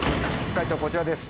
解答こちらです。